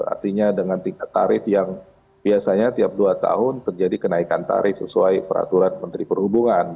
artinya dengan tingkat tarif yang biasanya tiap dua tahun terjadi kenaikan tarif sesuai peraturan menteri perhubungan